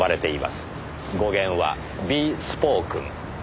語源は「ビー・スポークン」。